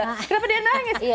kenapa dia nangis